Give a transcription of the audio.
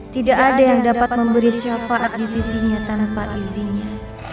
tidak ada yang dapat memberi syafaat di sisinya tanpa izinnya